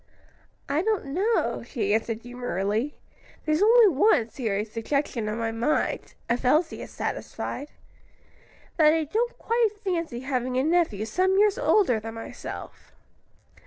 "I don't know," she answered demurely; "there's only one serious objection in my mind (if Elsie is satisfied); that I don't quite fancy having a nephew some years older than myself."